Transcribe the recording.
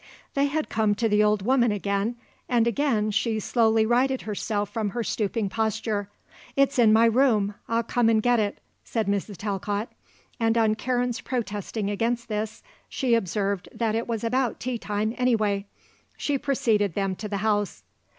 They had come to the old woman again, and again she slowly righted herself from her stooping posture. "It's in my room, I'll come and get it," said Mrs. Talcott, and on Karen's protesting against this, she observed that it was about tea time, anyway. She preceded them to the house.